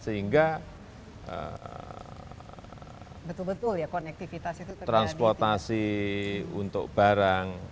sehingga transportasi untuk barang